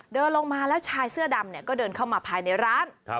เดินลงมาแล้วชายเสื้อดำก็เดินเข้ามาภายในร้าน